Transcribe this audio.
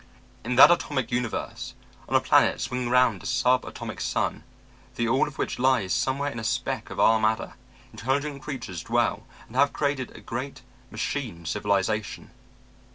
"'In that atomic universe, on a planet swinging round a sub atomic sun, the all of which lies somewhere in a speck of our matter, intelligent creatures dwell and have created a great machine civilization.